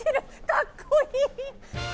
かっこいい。